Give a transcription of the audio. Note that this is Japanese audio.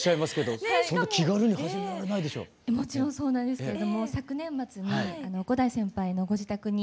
もちろんそうなんですけれども昨年末に伍代先輩のご自宅に。